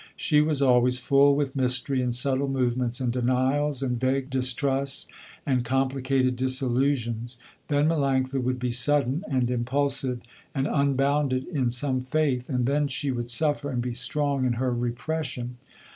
She was always full with mystery and subtle movements and denials and vague distrusts and complicated disillusions. Then Melanctha would be sudden and impulsive and unbounded in some faith, and then she would suffer and be strong in her repression.